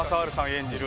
演じる